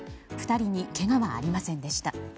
２人にけがはありませんでした。